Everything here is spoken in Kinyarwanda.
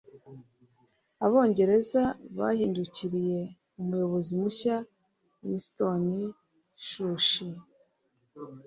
abongereza bahindukiriye umuyobozi mushya, winston churchill